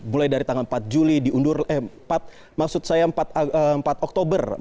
mulai dari tanggal empat juli diundur eh empat maksud saya empat oktober